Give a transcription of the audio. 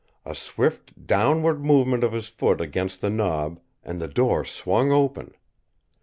A swift downward movement of his foot against the knob and the door swung open.